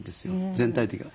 全体的には。